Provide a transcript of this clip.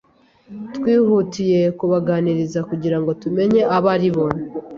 Twihutiye kubaganiriza kugirango tumenye abo ari bo.